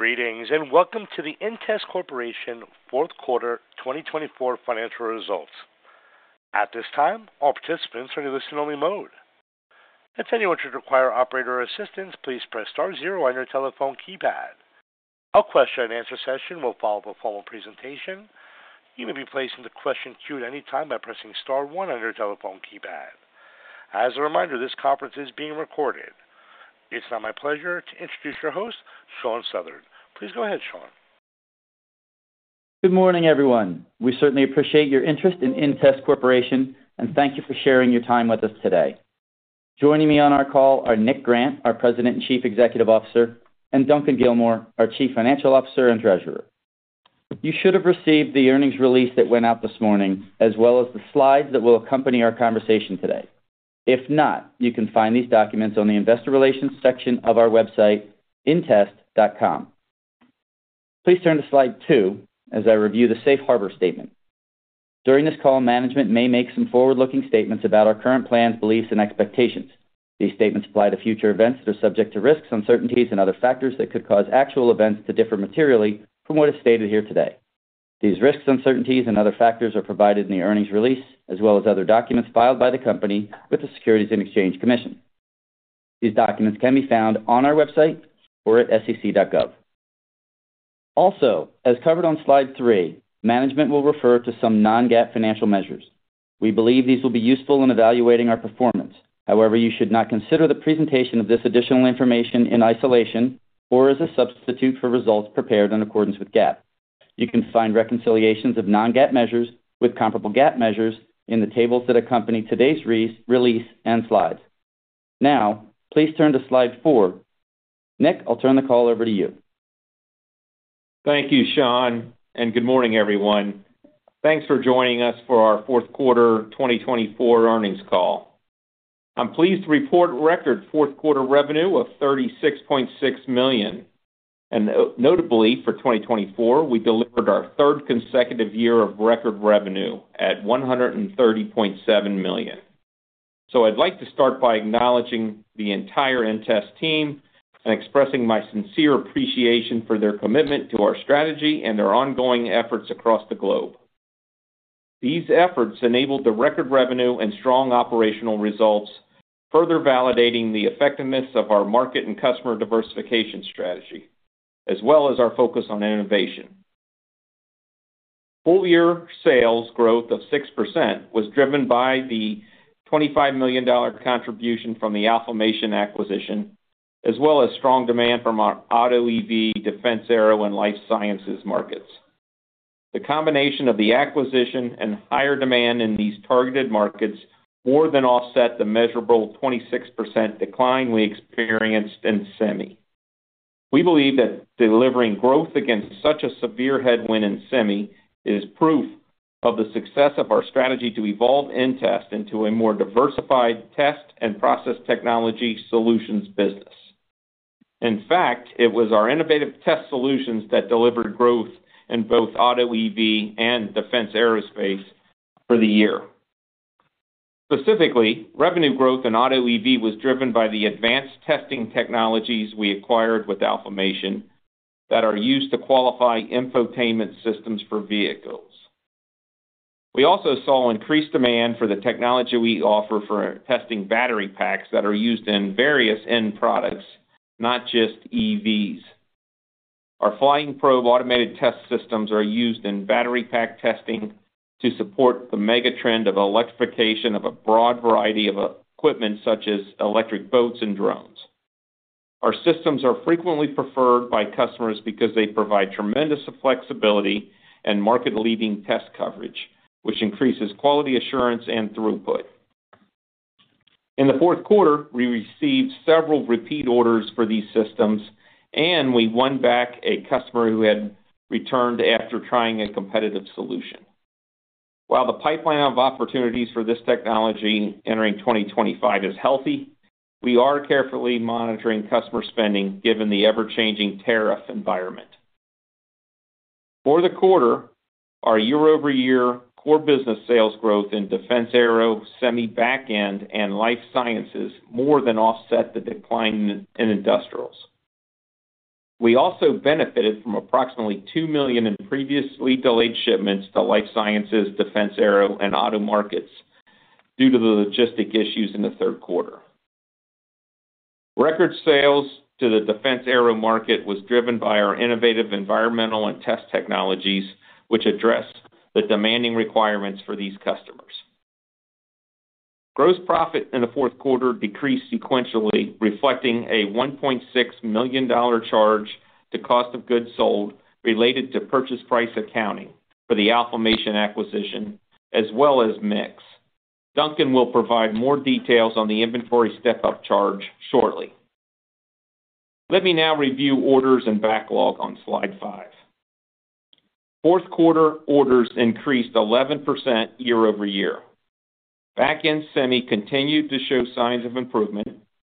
Greetings and welcome to the inTEST Corporation Fourth Quarter 2024 financial results. At this time, all participants are in listen-only mode. If any of you should require operator assistance, please press star zero on your telephone keypad. A question-and-answer session will follow the formal presentation. You may be placed into question queue at any time by pressing star one on your telephone keypad. As a reminder, this conference is being recorded. It's now my pleasure to introduce your host, Shawn Southard. Please go ahead, Shawn. Good morning, everyone. We certainly appreciate your interest in inTEST Corporation, and thank you for sharing your time with us today. Joining me on our call are Nick Grant, our President and Chief Executive Officer, and Duncan Gilmour, our Chief Financial Officer and Treasurer. You should have received the earnings release that went out this morning, as well as the slides that will accompany our conversation today. If not, you can find these documents on the Investor Relations section of our website, inTEST.com. Please turn to slide two as I review the safe harbor statement. During this call, management may make some forward-looking statements about our current plans, beliefs, and expectations. These statements apply to future events that are subject to risks, uncertainties, and other factors that could cause actual events to differ materially from what is stated here today. These risks, uncertainties, and other factors are provided in the earnings release, as well as other documents filed by the company with the Securities and Exchange Commission. These documents can be found on our website or at sec.gov. Also, as covered on slide three, management will refer to some non-GAAP financial measures. We believe these will be useful in evaluating our performance. However, you should not consider the presentation of this additional information in isolation or as a substitute for results prepared in accordance with GAAP. You can find reconciliations of non-GAAP measures with comparable GAAP measures in the tables that accompany today's release and slides. Now, please turn to slide four. Nick, I'll turn the call over to you. Thank you, Shawn, and good morning, everyone. Thanks for joining us for our fourth quarter 2024 earnings call. I'm pleased to report record fourth quarter revenue of $36.6 million. Notably, for 2024, we delivered our third consecutive year of record revenue at $130.7 million. I would like to start by acknowledging the entire InTEST team and expressing my sincere appreciation for their commitment to our strategy and their ongoing efforts across the globe. These efforts enabled the record revenue and strong operational results, further validating the effectiveness of our market and customer diversification strategy, as well as our focus on innovation. Full-year sales growth of 6% was driven by the $25 million contribution from the Alphamation acquisition, as well as strong demand from our auto EV, defense/aerospace, and life sciences markets. The combination of the acquisition and higher demand in these targeted markets more than offset the measurable 26% decline we experienced in semi. We believe that delivering growth against such a severe headwind in semi is proof of the success of our strategy to evolve InTEST into a more diversified test and process technology solutions business. In fact, it was our innovative test solutions that delivered growth in both auto EV and defense aerospace for the year. Specifically, revenue growth in auto EV was driven by the advanced testing technologies we acquired with Alphamation that are used to qualify infotainment systems for vehicles. We also saw increased demand for the technology we offer for testing battery packs that are used in various end products, not just EVs. Our flying probe automated test systems are used in battery pack testing to support the mega trend of electrification of a broad variety of equipment, such as electric boats and drones. Our systems are frequently preferred by customers because they provide tremendous flexibility and market-leading test coverage, which increases quality assurance and throughput. In the fourth quarter, we received several repeat orders for these systems, and we won back a customer who had returned after trying a competitive solution. While the pipeline of opportunities for this technology entering 2025 is healthy, we are carefully monitoring customer spending given the ever-changing tariff environment. For the quarter, our year-over-year core business sales growth in defense/aerospace, semi backend, and life sciences more than offset the decline in industrials. We also benefited from approximately $2 million in previously delayed shipments to life sciences, defense/aerospace, and auto markets due to the logistic issues in the third quarter. Record sales to the defense/aerospace market was driven by our innovative environmental and test technologies, which addressed the demanding requirements for these customers. Gross profit in the fourth quarter decreased sequentially, reflecting a $1.6 million charge to cost of goods sold related to purchase price accounting for the Alphamation acquisition, as well as mix. Duncan will provide more details on the inventory step-up charge shortly. Let me now review orders and backlog on slide five. Fourth quarter orders increased 11% year-over-year. Backend semi continued to show signs of improvement,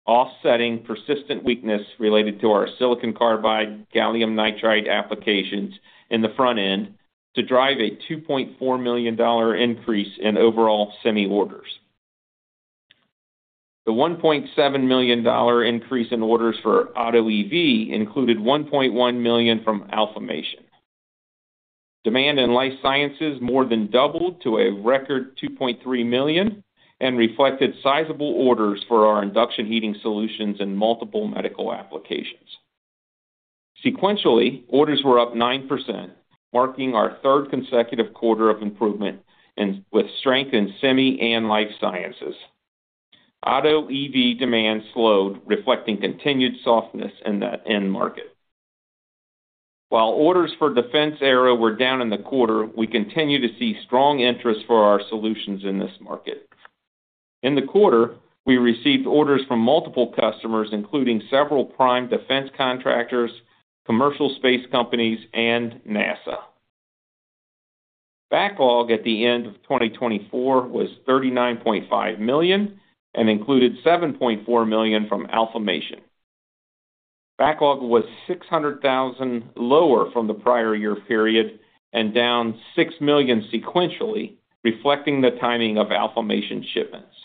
offsetting persistent weakness related to our silicon carbide gallium nitride applications in the front end to drive a $2.4 million increase in overall semi orders. The $1.7 million increase in orders for auto EV included $1.1 million from Alphamation. Demand in life sciences more than doubled to a record $2.3 million and reflected sizable orders for our induction heating solutions and multiple medical applications. Sequentially, orders were up 9%, marking our third consecutive quarter of improvement with strength in semi and life sciences. Auto EV demand slowed, reflecting continued softness in that end market. While orders for defense aero were down in the quarter, we continue to see strong interest for our solutions in this market. In the quarter, we received orders from multiple customers, including several prime defense contractors, commercial space companies, and NASA. Backlog at the end of 2024 was $39.5 million and included $7.4 million from Alphamation. Backlog was $600,000 lower from the prior year period and down $6 million sequentially, reflecting the timing of Alphamation shipments.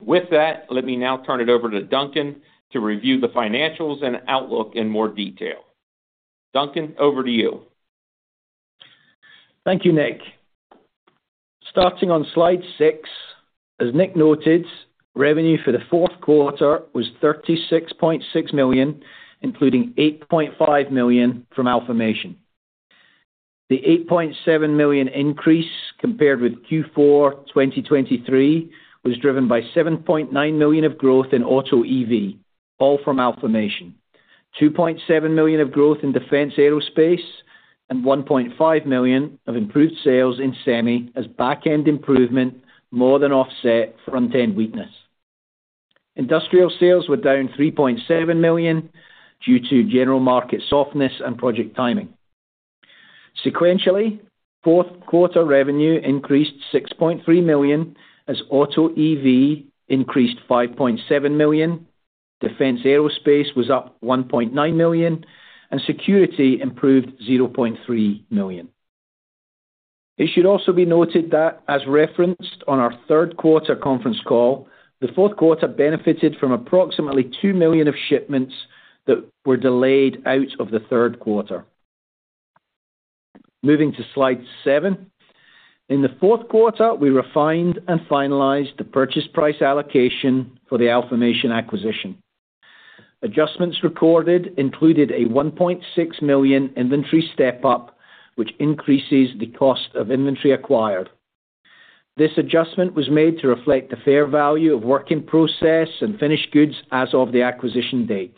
With that, let me now turn it over to Duncan to review the financials and outlook in more detail. Duncan, over to you. Thank you, Nick. Starting on slide six, as Nick noted, revenue for the fourth quarter was $36.6 million, including $8.5 million from Alphamation. The $8.7 million increase compared with Q4 2023 was driven by $7.9 million of growth in auto EV, all from Alphamation, $2.7 million of growth in defense/aerospace, and $1.5 million of improved sales in semi as backend improvement more than offset front-end weakness. Industrial sales were down $3.7 million due to general market softness and project timing. Sequentially, fourth quarter revenue increased $6.3 million as auto EV increased $5.7 million, defense/aerospace was up $1.9 million, and security improved $0.3 million. It should also be noted that, as referenced on our third quarter conference call, the fourth quarter benefited from approximately $2 million shipments that were delayed out of the third quarter. Moving to slide seven, in the fourth quarter, we refined and finalized the purchase price allocation for the Alphamation acquisition. Adjustments recorded included a $1.6 million inventory step-up, which increases the cost of inventory acquired. This adjustment was made to reflect the fair value of working process and finished goods as of the acquisition date.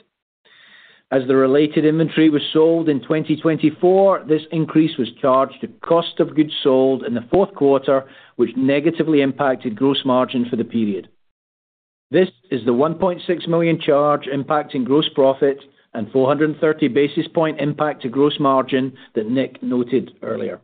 As the related inventory was sold in 2024, this increase was charged to cost of goods sold in the fourth quarter, which negatively impacted gross margin for the period. This is the $1.6 million charge impacting gross profit and 430 basis point impact to gross margin that Nick noted earlier.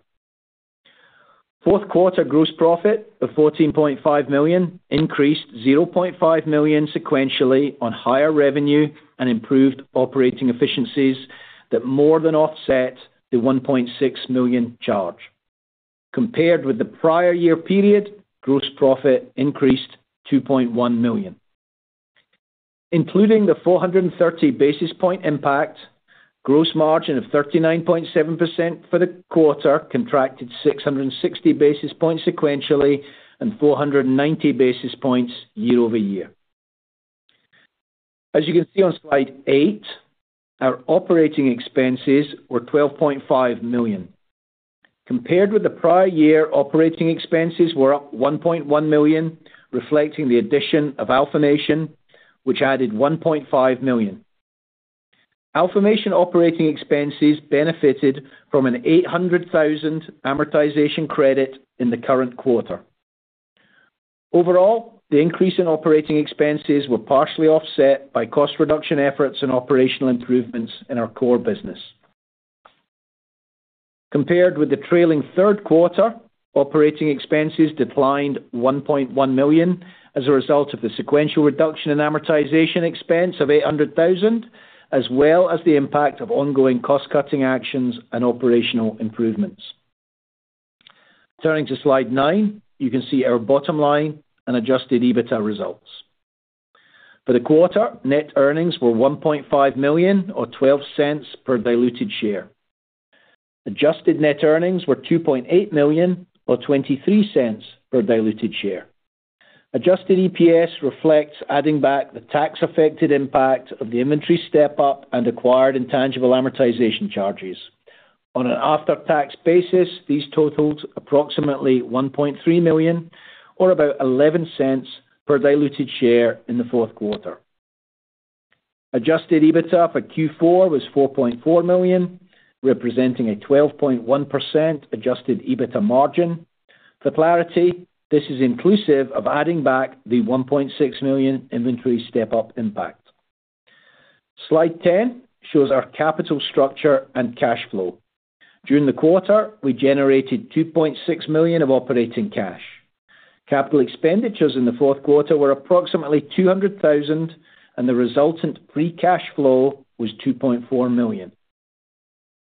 Fourth quarter gross profit of $14.5 million increased $0.5 million sequentially on higher revenue and improved operating efficiencies that more than offset the $1.6 million charge. Compared with the prior year period, gross profit increased $2.1 million. Including the 430 basis point impact, gross margin of 39.7% for the quarter contracted 660 basis points sequentially and 490 basis points year-over-year. As you can see on slide eight, our operating expenses were $12.5 million. Compared with the prior year, operating expenses were up $1.1 million, reflecting the addition of Alphamation, which added $1.5 million. Alphamation operating expenses benefited from an $800,000 amortization credit in the current quarter. Overall, the increase in operating expenses was partially offset by cost reduction efforts and operational improvements in our core business. Compared with the trailing third quarter, operating expenses declined $1.1 million as a result of the sequential reduction in amortization expense of $800,000, as well as the impact of ongoing cost-cutting actions and operational improvements. Turning to slide nine, you can see our bottom line and adjusted EBITDA results. For the quarter, net earnings were $1.5 million or $0.12 per diluted share. Adjusted net earnings were $2.8 million or $0.23 per diluted share. Adjusted EPS reflects adding back the tax-affected impact of the inventory step-up and acquired intangible amortization charges. On an after-tax basis, these total approximately $1.3 million or about $0.11 per diluted share in the fourth quarter. Adjusted EBITDA for Q4 was $4.4 million, representing a 12.1% adjusted EBITDA margin. For clarity, this is inclusive of adding back the $1.6 million inventory step-up impact. Slide 10 shows our capital structure and cash flow. During the quarter, we generated $2.6 million of operating cash. Capital expenditures in the fourth quarter were approximately $200,000, and the resultant free cash flow was $2.4 million.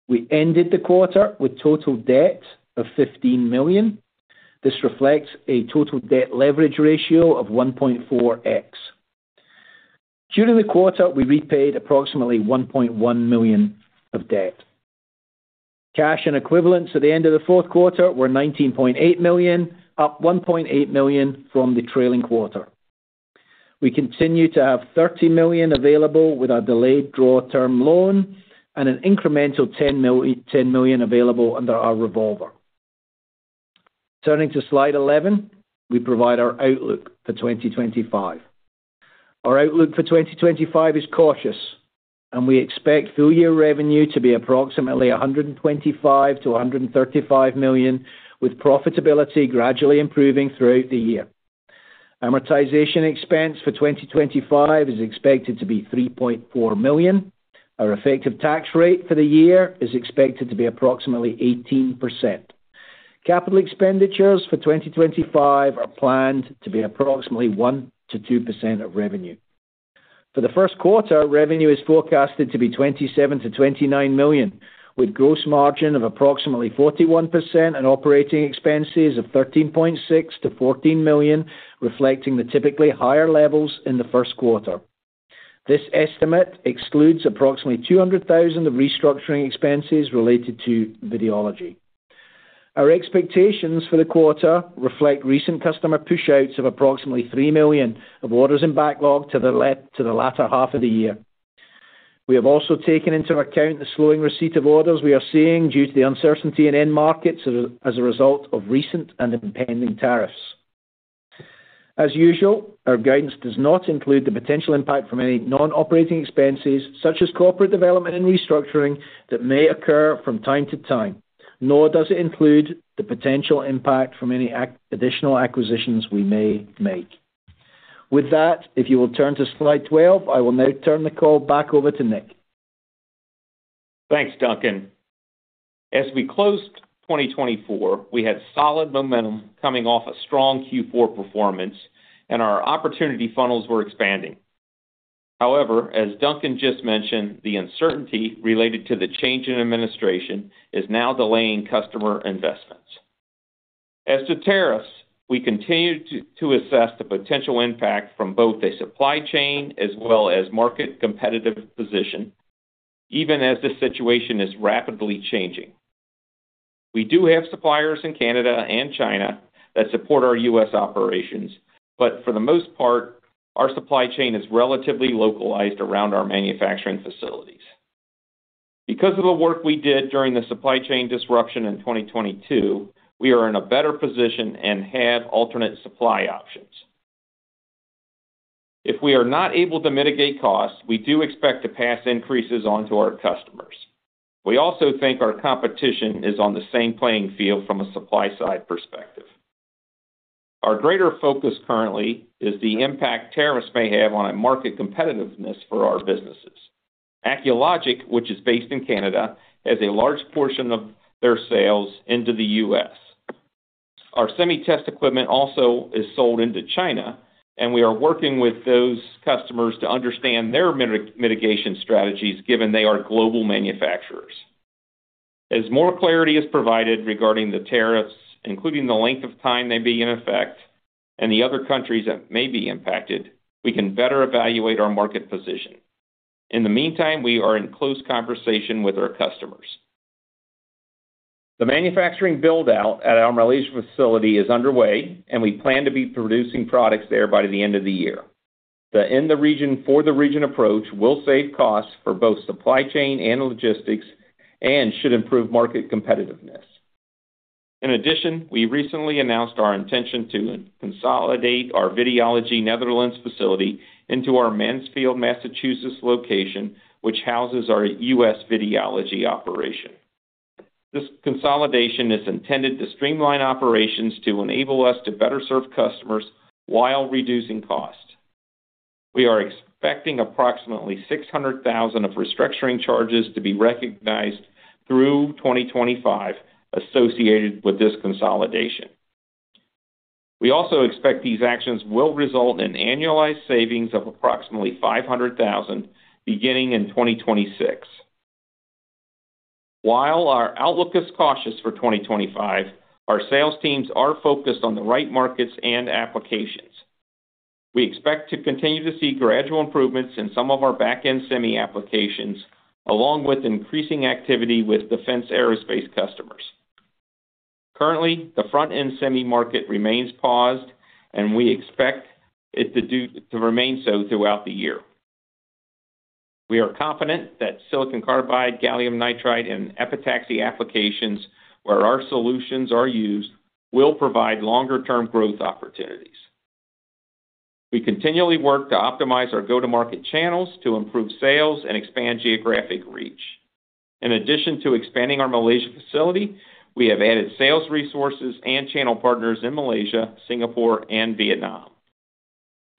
We ended the quarter with total debt of $15 million. This reflects a total debt leverage ratio of 1.4x. During the quarter, we repaid approximately $1.1 million of debt. Cash and equivalents at the end of the fourth quarter were $19.8 million, up $1.8 million from the trailing quarter. We continue to have $30 million available with our delayed draw term loan and an incremental $10 million available under our revolver. Turning to slide 11, we provide our outlook for 2025. Our outlook for 2025 is cautious, and we expect full-year revenue to be approximately $125-$135 million, with profitability gradually improving throughout the year. Amortization expense for 2025 is expected to be $3.4 million. Our effective tax rate for the year is expected to be approximately 18%. Capital expenditures for 2025 are planned to be approximately 1%-2% of revenue. For the first quarter, revenue is forecasted to be $27-$29 million, with gross margin of approximately 41% and operating expenses of $13.6-$14 million, reflecting the typically higher levels in the first quarter. This estimate excludes approximately $200,000 of restructuring expenses related to Videology. Our expectations for the quarter reflect recent customer push-outs of approximately $3 million of orders in backlog to the latter half of the year. We have also taken into account the slowing receipt of orders we are seeing due to the uncertainty in end markets as a result of recent and impending tariffs. As usual, our guidance does not include the potential impact from any non-operating expenses, such as corporate development and restructuring, that may occur from time to time. Nor does it include the potential impact from any additional acquisitions we may make. With that, if you will turn to slide 12, I will now turn the call back over to Nick. Thanks, Duncan. As we closed 2024, we had solid momentum coming off a strong Q4 performance, and our opportunity funnels were expanding. However, as Duncan just mentioned, the uncertainty related to the change in administration is now delaying customer investments. As to tariffs, we continue to assess the potential impact from both a supply chain as well as market competitive position, even as the situation is rapidly changing. We do have suppliers in Canada and China that support our US operations, but for the most part, our supply chain is relatively localized around our manufacturing facilities. Because of the work we did during the supply chain disruption in 2022, we are in a better position and have alternate supply options. If we are not able to mitigate costs, we do expect to pass increases onto our customers. We also think our competition is on the same playing field from a supply-side perspective. Our greater focus currently is the impact tariffs may have on market competitiveness for our businesses. Acculogic, which is based in Canada, has a large portion of their sales into the US. Our semi test equipment also is sold into China, and we are working with those customers to understand their mitigation strategies, given they are global manufacturers. As more clarity is provided regarding the tariffs, including the length of time they may be in effect and the other countries that may be impacted, we can better evaluate our market position. In the meantime, we are in close conversation with our customers. The manufacturing build-out at our Malaysia facility is underway, and we plan to be producing products there by the end of the year. The in-the-region-for-the-region approach will save costs for both supply chain and logistics and should improve market competitiveness. In addition, we recently announced our intention to consolidate our Videology Netherlands facility into our Mansfield, Massachusetts location, which houses our US Videology operation. This consolidation is intended to streamline operations to enable us to better serve customers while reducing costs. We are expecting approximately $600,000 of restructuring charges to be recognized through 2025 associated with this consolidation. We also expect these actions will result in annualized savings of approximately $500,000 beginning in 2026. While our outlook is cautious for 2025, our sales teams are focused on the right markets and applications. We expect to continue to see gradual improvements in some of our back-end semi applications, along with increasing activity with defense aerospace customers. Currently, the front-end semi market remains paused, and we expect it to remain so throughout the year. We are confident that silicon carbide, gallium nitride, and epitaxy applications where our solutions are used will provide longer-term growth opportunities. We continually work to optimize our go-to-market channels to improve sales and expand geographic reach. In addition to expanding our Malaysia facility, we have added sales resources and channel partners in Malaysia, Singapore, and Vietnam.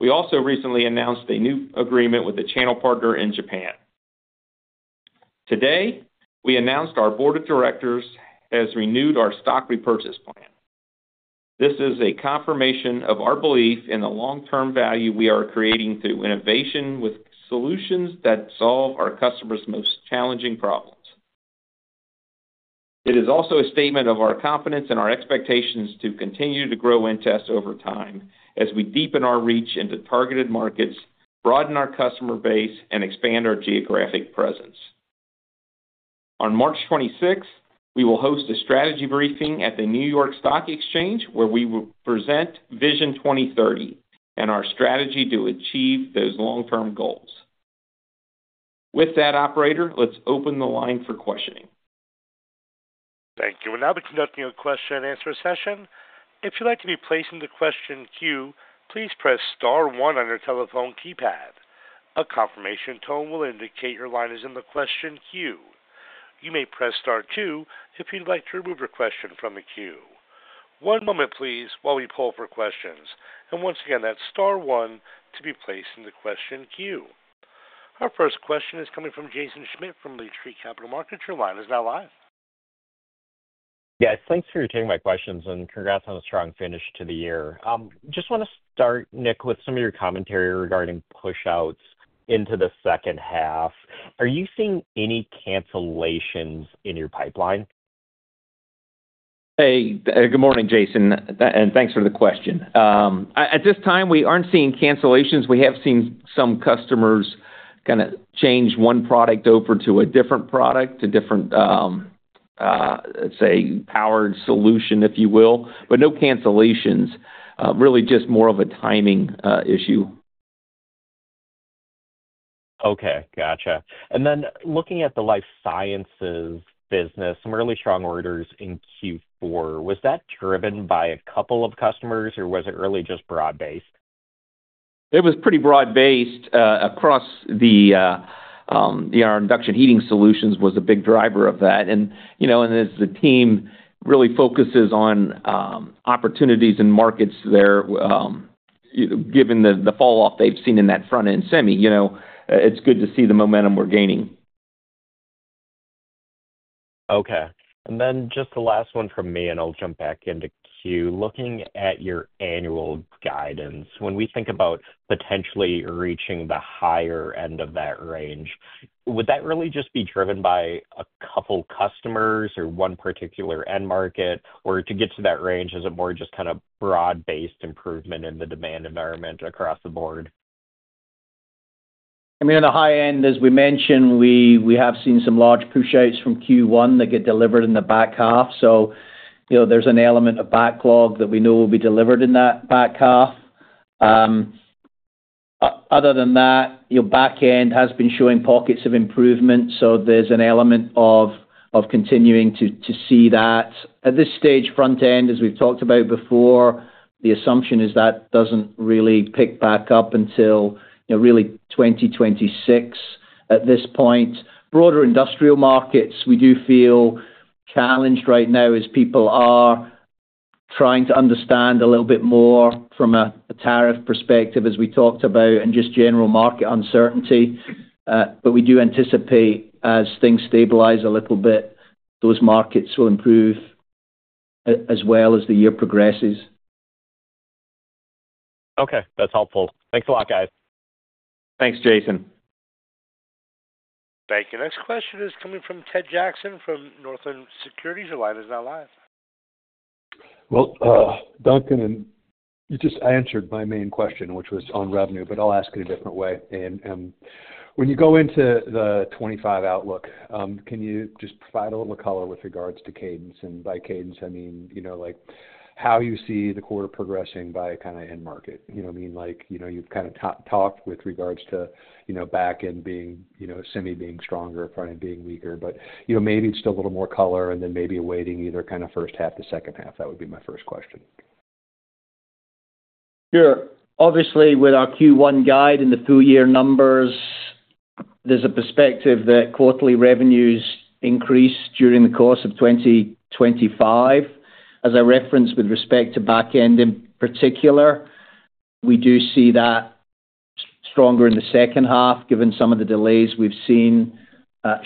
We also recently announced a new agreement with a channel partner in Japan. Today, we announced our board of directors has renewed our stock repurchase plan. This is a confirmation of our belief in the long-term value we are creating through innovation with solutions that solve our customers' most challenging problems. It is also a statement of our confidence in our expectations to continue to grow inTEST over time as we deepen our reach into targeted markets, broaden our customer base, and expand our geographic presence. On March 26th, we will host a strategy briefing at the New York Stock Exchange, where we will present Vision 2030 and our strategy to achieve those long-term goals. With that, operator, let's open the line for questioning. Thank you. We are now conducting a question-and-answer session. If you would like to be placed in the question queue, please press star one on your telephone keypad. A confirmation tone will indicate your line is in the question queue. You may press star two if you would like to remove your question from the queue. One moment, please, while we pull up our questions. Once again, that is star one to be placed in the question queue. Our first question is coming from Jaeson Schmidt from Lake Street Capital Markets. Your line is now live. Yes. Thanks for taking my questions, and congrats on a strong finish to the year. Just want to start, Nick, with some of your commentary regarding push-outs into the second half. Are you seeing any cancellations in your pipeline? Hey, good morning, Jaeson. Thanks for the question. At this time, we aren't seeing cancellations. We have seen some customers kind of change one product over to a different product, a different, let's say, powered solution, if you will. No cancellations. Really just more of a timing issue. Okay. Gotcha. Looking at the life sciences business, some really strong orders in Q4, was that driven by a couple of customers, or was it really just broad-based? It was pretty broad-based across the induction heating solutions was a big driver of that. As the team really focuses on opportunities and markets there, given the falloff they've seen in that front-end semi, it's good to see the momentum we're gaining. Okay. And then just the last one from me, and I'll jump back into queue. Looking at your annual guidance, when we think about potentially reaching the higher end of that range, would that really just be driven by a couple customers or one particular end market? To get to that range, is it more just kind of broad-based improvement in the demand environment across the board? I mean, on the high end, as we mentioned, we have seen some large push-outs from Q1 that get delivered in the back half. There is an element of backlog that we know will be delivered in that back half. Other than that, back-end has been showing pockets of improvement, so there is an element of continuing to see that. At this stage, front-end, as we've talked about before, the assumption is that does not really pick back up until really 2026 at this point. Broader industrial markets, we do feel challenged right now as people are trying to understand a little bit more from a tariff perspective, as we talked about, and just general market uncertainty. We do anticipate as things stabilize a little bit, those markets will improve as well as the year progresses. Okay. That's helpful. Thanks a lot, guys. Thanks, Jaeson. Thank you. Next question is coming from Ted Jackson from Northland Securities. Your line is now live. Duncan, you just answered my main question, which was on revenue, but I'll ask it a different way. When you go into the 2025 outlook, can you just provide a little color with regards to cadence? By cadence, I mean how you see the quarter progressing by kind of end market. You know what I mean? You've kind of talked with regards to back-end semi being stronger, front-end being weaker, but maybe just a little more color and then maybe awaiting either kind of first half to second half. That would be my first question. Sure. Obviously, with our Q1 guide and the full-year numbers, there's a perspective that quarterly revenues increase during the course of 2025. As I referenced with respect to back-end in particular, we do see that stronger in the second half, given some of the delays we've seen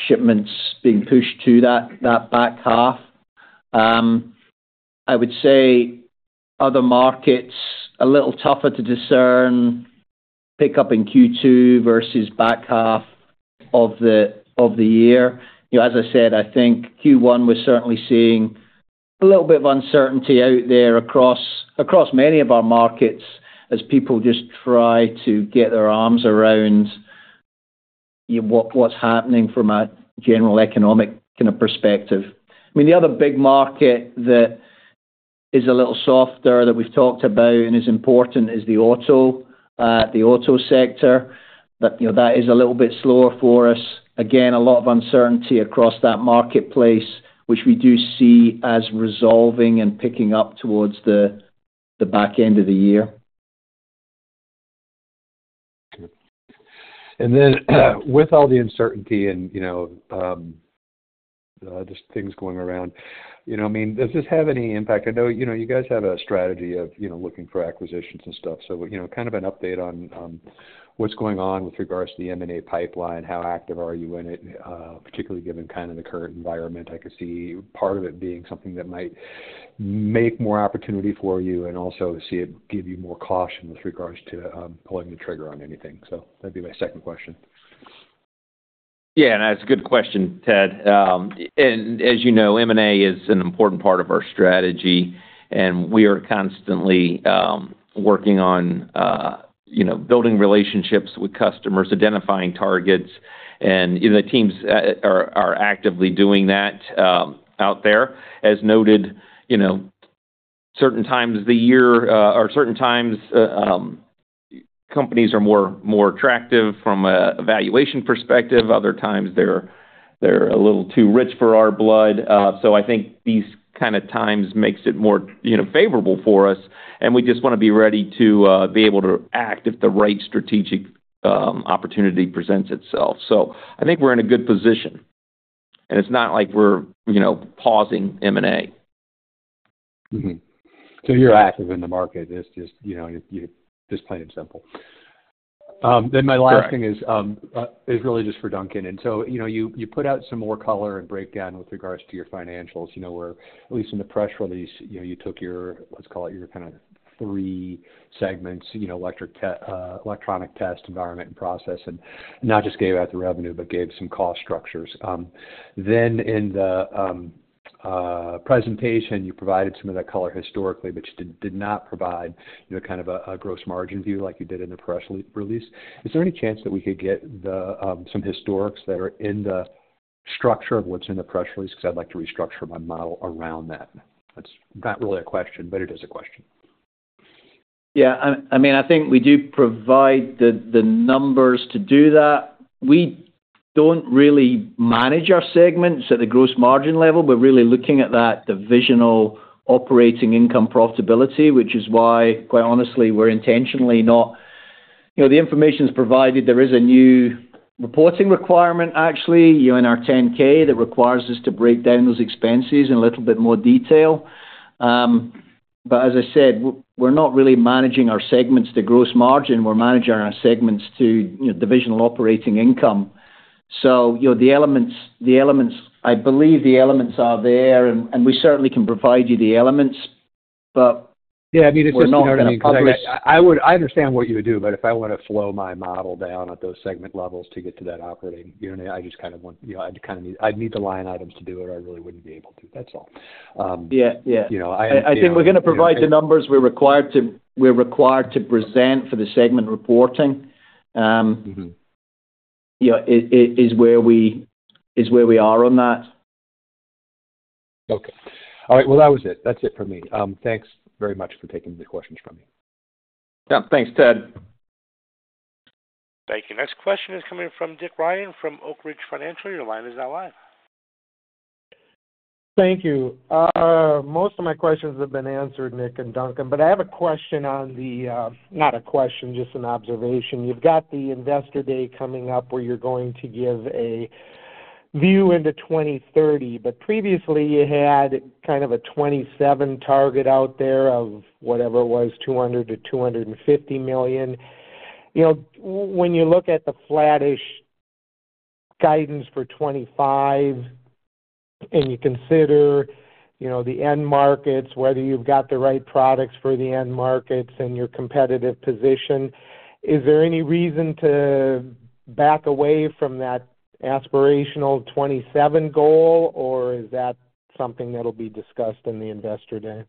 shipments being pushed to that back half. I would say other markets a little tougher to discern pickup in Q2 versus back half of the year. As I said, I think Q1 we're certainly seeing a little bit of uncertainty out there across many of our markets as people just try to get their arms around what's happening from a general economic kind of perspective. I mean, the other big market that is a little softer that we've talked about and is important is the auto sector. That is a little bit slower for us. Again, a lot of uncertainty across that marketplace, which we do see as resolving and picking up towards the back end of the year. Good. With all the uncertainty and just things going around, I mean, does this have any impact? I know you guys have a strategy of looking for acquisitions and stuff. Kind of an update on what's going on with regards to the M&A pipeline, how active are you in it, particularly given kind of the current environment? I could see part of it being something that might make more opportunity for you and also see it give you more caution with regards to pulling the trigger on anything. That would be my second question. Yeah. That's a good question, Ted. As you know, M&A is an important part of our strategy, and we are constantly working on building relationships with customers, identifying targets, and the teams are actively doing that out there. As noted, certain times of the year or certain times, companies are more attractive from an evaluation perspective. Other times, they're a little too rich for our blood. I think these kind of times make it more favorable for us, and we just want to be ready to be able to act if the right strategic opportunity presents itself. I think we're in a good position, and it's not like we're pausing M&A. You're active in the market. It's just plain and simple. My last thing is really just for Duncan. You put out some more color and breakdown with regards to your financials where, at least in the press release, you took your, let's call it your kind of three segments: electronic test, environment, and process, and not just gave out the revenue, but gave some cost structures. In the presentation, you provided some of that color historically, but you did not provide kind of a gross margin view like you did in the press release. Is there any chance that we could get some historics that are in the structure of what's in the press release? I'd like to restructure my model around that. That's not really a question, but it is a question. Yeah. I mean, I think we do provide the numbers to do that. We do not really manage our segments at the gross margin level. We are really looking at that divisional operating income profitability, which is why, quite honestly, we are intentionally not the information is provided. There is a new reporting requirement, actually, in our 10-K that requires us to break down those expenses in a little bit more detail. As I said, we are not really managing our segments to gross margin. We are managing our segments to divisional operating income. The elements, I believe the elements are there, and we certainly can provide you the elements, but we are not really covering. Yeah. I mean, it's just not incredible. I understand what you would do, but if I want to slow my model down at those segment levels to get to that operating, you know what I mean? I just kind of want, I'd need the line items to do it. I really wouldn't be able to. That's all. Yeah. Yeah. I think we're going to provide the numbers we're required to present for the segment reporting is where we are on that. Okay. All right. That was it. That's it for me. Thanks very much for taking the questions from me. Yep. Thanks, Ted. Thank you. Next question is coming from Dick Ryan from Oak Ridge Financial. Your line is now live. Thank you. Most of my questions have been answered, Nick and Duncan, but I have a question on the not a question, just an observation. You've got the investor day coming up where you're going to give a view into 2030, but previously, you had kind of a 2027 target out there of whatever it was, $200 million-$250 million. When you look at the flattish guidance for 2025 and you consider the end markets, whether you've got the right products for the end markets and your competitive position, is there any reason to back away from that aspirational 2027 goal, or is that something that'll be discussed in the investor day?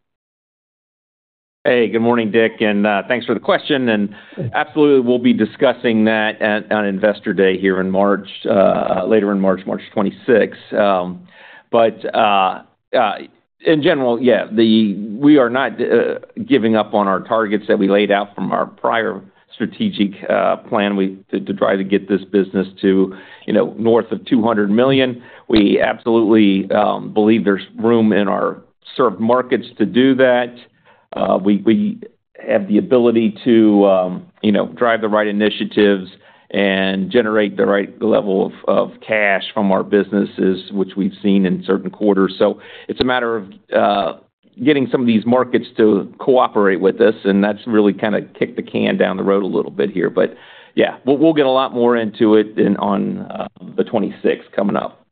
Hey, good morning, Dick. Thanks for the question. Absolutely, we'll be discussing that on investor day here in March, later in March, March 26th. In general, yeah, we are not giving up on our targets that we laid out from our prior strategic plan to try to get this business to north of $200 million. We absolutely believe there's room in our served markets to do that. We have the ability to drive the right initiatives and generate the right level of cash from our businesses, which we've seen in certain quarters. It's a matter of getting some of these markets to cooperate with us, and that's really kind of kicked the can down the road a little bit here. Yeah, we'll get a lot more into it on the 26th coming up.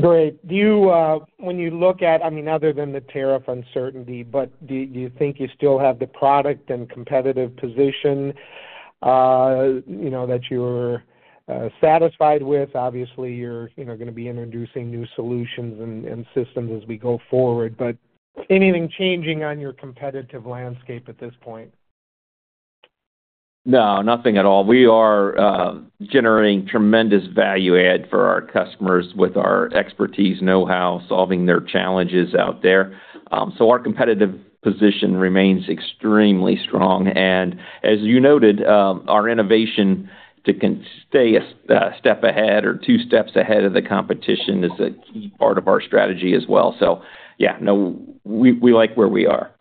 Great. When you look at, I mean, other than the tariff uncertainty, do you think you still have the product and competitive position that you're satisfied with? Obviously, you're going to be introducing new solutions and systems as we go forward, but anything changing on your competitive landscape at this point? No, nothing at all. We are generating tremendous value add for our customers with our expertise, know-how, solving their challenges out there. Our competitive position remains extremely strong. As you noted, our innovation to stay a step ahead or two steps ahead of the competition is a key part of our strategy as well. Yeah, no, we like where we are.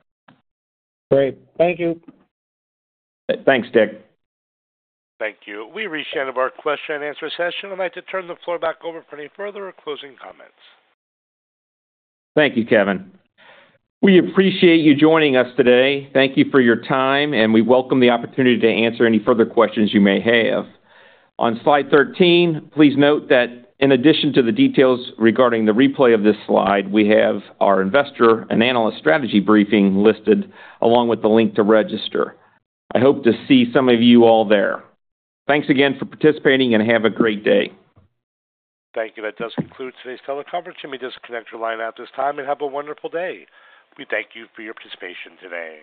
Great. Thank you. Thanks, Dick. Thank you. We reached the end of our question and answer session. I'd like to turn the floor back over for any further or closing comments. Thank you, Kevin. We appreciate you joining us today. Thank you for your time, and we welcome the opportunity to answer any further questions you may have. On slide 13, please note that in addition to the details regarding the replay of this slide, we have our investor and analyst strategy briefing listed along with the link to register. I hope to see some of you all there. Thanks again for participating, and have a great day. Thank you. That does conclude today's teleconference. You may disconnect your line at this time and have a wonderful day. We thank you for your participation today.